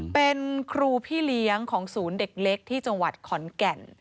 เป็นครูพี่เลี้ยงของศูนย์เด็กเล็กที่จังหวัดขอนแก่น